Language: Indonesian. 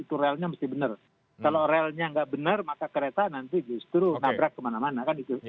kalau relnya nggak benar maka kereta nanti justru nabrak kemana mana kan itu